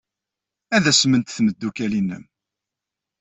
Ad asment tmeddukal-nnem.